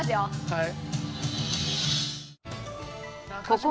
はい。